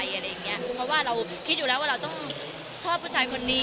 เพราะว่าเราคิดอยู่แล้วว่าเราต้องชอบผู้ชายคนนี้